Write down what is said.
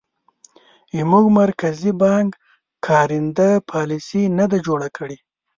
زموږ مرکزي بانک کارنده پالیسي نه ده جوړه کړې.